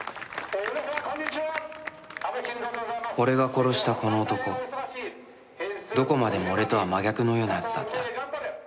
俺が殺したこの男どこまで俺とは真逆のようなやつだった。